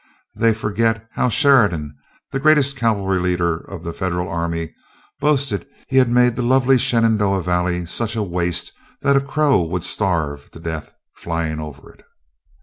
They forget how Sheridan, the greatest cavalry leader of the Federal army, boasted he had made the lovely Shenandoah Valley such a waste that a crow would starve to death flying over it.